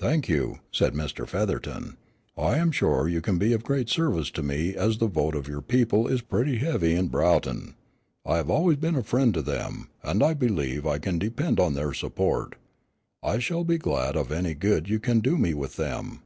"Thank you," said Mr. Featherton, "I am sure you can be of great service to me as the vote of your people is pretty heavy in Broughton. I have always been a friend to them, and I believe I can depend upon their support. I shall be glad of any good you can do me with them."